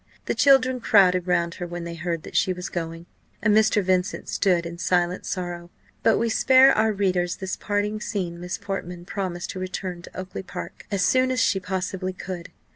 The children crowded round her when they heard that she was going, and Mr. Vincent stood in silent sorrow but we spare our readers this parting scene Miss Portman promised to return to Oakly park as soon as she possibly could.